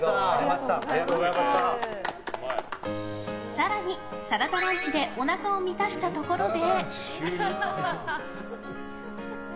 更に、サラダランチでおなかを満たしたところで。